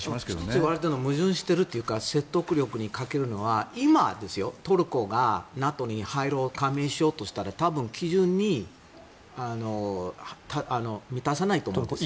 １つ言われているのが矛盾しているというか説得力に欠けるのは今ですよ、トルコがＮＡＴＯに加盟しようとしたら多分、基準に満たさないと思います。